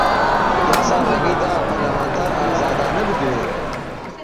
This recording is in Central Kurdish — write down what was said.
یاسا ڕێگەی داوە پەرلەمانتار ئازادانە بدوێ